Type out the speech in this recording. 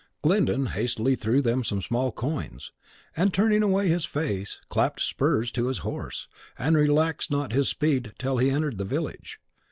Glyndon hastily threw them some small coins, and, turning away his face, clapped spurs to his horse, and relaxed not his speed till he entered the village.